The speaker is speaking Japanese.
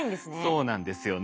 そうなんですよね。